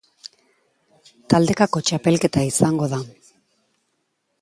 Taldekako txapelketa izango da.